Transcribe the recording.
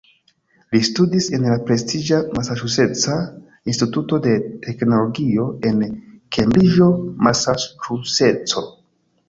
Li studis en la prestiĝa "Masaĉuseca Instituto de Teknologio" en Kembriĝo, Masaĉuseco.